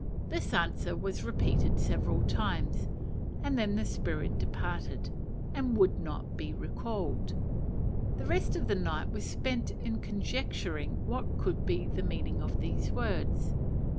This answer was repeated several times, and then the spirit departed, and would not be recalled. The rest of the night was spent in conjecturing what could be the meaning of these words.